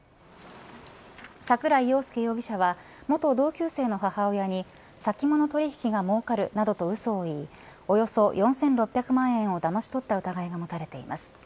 桜井庸輔容疑者は元同級生の母親に先物取引がもうかるなどとうそを言いおよそ４６００万円をだまし取った疑いが持たれています。